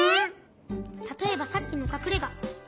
たとえばさっきのかくれが。